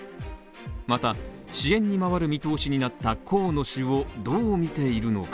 また、支援に回る見通しになった河野氏をどう見ているのか。